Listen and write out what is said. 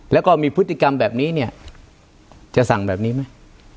แล้วก็มีพฤติกรรมแบบนี้เนี่ยจะสั่งแบบนี้ไหม